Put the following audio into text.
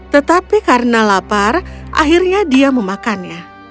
tetapi karena lapar akhirnya dia memakannya